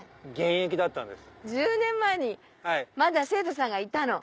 １０年前にまだ生徒さんがいたの？